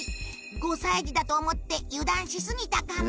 ５歳児だと思って油断しすぎたかも。